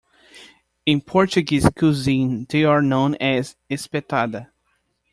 In Portuguese cuisine, they are known as "espetada".